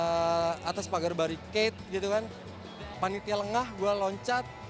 tadi naik ke atas pagar barikade gitu kan panitia lengah gue loncat